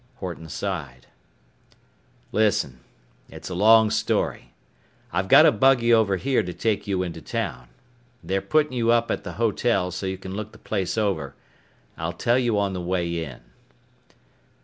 Horton sighed. "Listen, it's a long story. I've got a buggy over here to take you into town. They're puttin' you up at a hotel so you can look the place over. I'll tell you on the way in."